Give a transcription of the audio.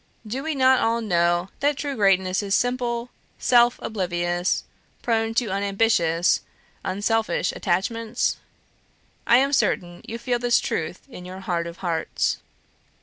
Do we not all know that true greatness is simple, self oblivious, prone to unambitious, unselfish attachments? I am certain you feel this truth in your heart of hearts.